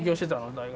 大学。